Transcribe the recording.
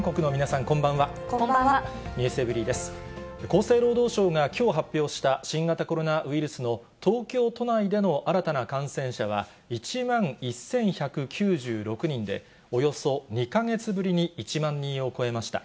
厚生労働省がきょう発表した新型コロナウイルスの東京都内での新たな感染者は、１万１１９６人で、およそ２か月ぶりに１万人を超えました。